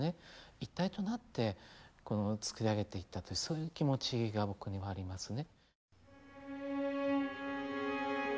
一体となって作り上げていったというそういう気持ちが僕にはありますね。